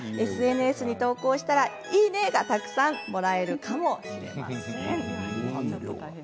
ＳＮＳに投稿したらいいね！がたくさんもらえるかもしれません。